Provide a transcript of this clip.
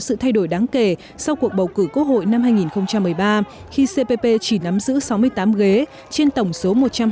sự thay đổi đáng kể sau cuộc bầu cử quốc hội năm hai nghìn một mươi ba khi cpp chỉ nắm giữ sáu mươi tám ghế trên tổng số một trăm linh